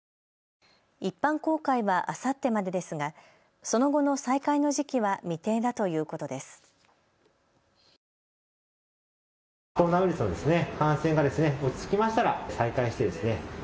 一般公開はあさってまでですがその後の再開の時期は未定だということです。